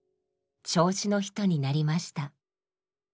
銚子の人になりました。